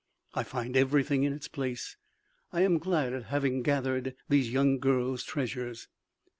I find everything in its place. I am glad of having gathered these young girl's treasures."